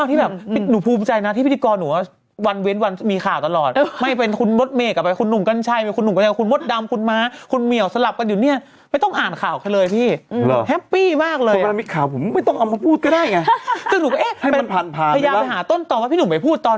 กินอะไรไปแมวหมาเนี่ยอืมป๋องได้ขนาดนั้นน่ะโอ้ย